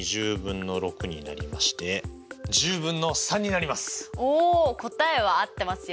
なのでおお答えは合ってますよ！